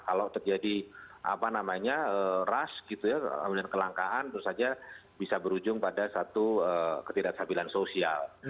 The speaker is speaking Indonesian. kalau terjadi apa namanya rush gitu ya kelangkaan itu saja bisa berujung pada satu ketidaksabilan sosial